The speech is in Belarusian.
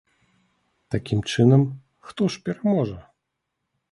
Такім чынам, хто ж пераможа?